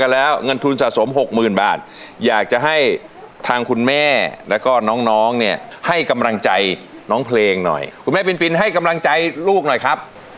แล้วคุณครูนับกับคุณครูปลื้มเป็นมอนไหมคะ